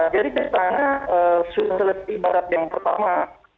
jadi pertama sulit ibadah yang pertama